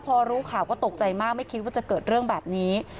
พอรู้ข่าวก็ตกใจมากไม่คิดว่าจะเกิดเรื่องแบบนี้